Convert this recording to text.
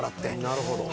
なるほど。